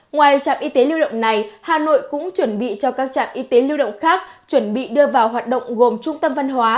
ngoài trạm y tế lưu động này hà nội cũng chuẩn bị cho các trạm y tế lưu động khác chuẩn bị đưa vào hoạt động gồm trung tâm văn hóa